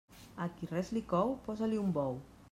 A qui res li cou, posa-li un bou.